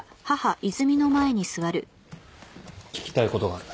聞きたいことがある。